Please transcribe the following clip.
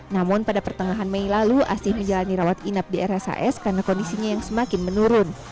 namun pada pertengahan mei lalu asih menjalani rawat inap di rshs karena kondisinya yang semakin menurun